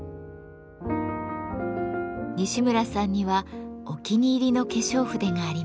西村さんにはお気に入りの化粧筆があります。